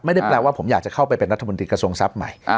ไม่ได้แปลว่าผมอยากจะเข้าไปเป็นรัฐมนตรีกระทรวงทรัพย์ใหม่